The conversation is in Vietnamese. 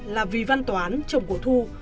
là vy văn toán chồng của thu